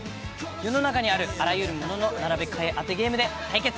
世の中にあるあらゆるものの並べ替え当てゲームで対決。